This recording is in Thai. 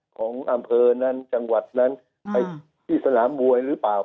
ของอำเภอนั้นจังหวัดนั้นไปที่สนามมวยหรือเปล่า